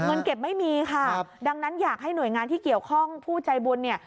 เงินเก็บไม่มีค่ะดังนั้นอยากให้หน่วยงานที่เกี่ยวข้องผู้ใจบุญเนี่ย